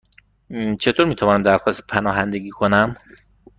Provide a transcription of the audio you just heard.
چطور می توانم درخواست پناهندگی کنم؟